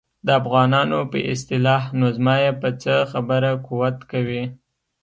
د افغانانو په اصطلاح نو زما یې په څه خبره قوت کوي.